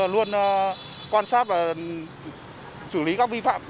luôn quan sát và xử lý các vi phạm